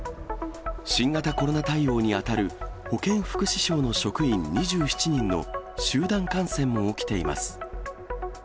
新型コロナ対応に当たる保健福祉省の職員２７人の集団感染も起きています。